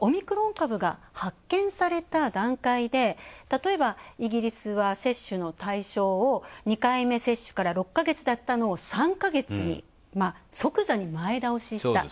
オミクロン株が発見された段階で、たとえばイギリスは接種の対象を２回目接種から６か月だったのを３か月に即座に前倒しした。